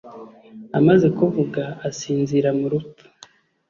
amaze kuvuga asinzirira mu rupfu